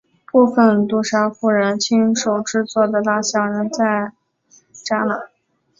部分杜莎夫人亲手制作的蜡象仍然在展览。